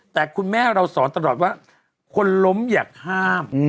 แต่คุณแม่เราสอนตลอดว่าคนล้มอยากห้าม